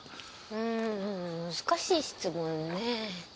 うん難しい質問ね。